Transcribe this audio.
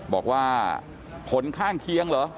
บอกว่าผลข้างเคียงเหรอ